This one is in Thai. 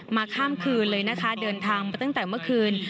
ข้ามคืนเลยนะคะเดินทางมาตั้งแต่เมื่อคืน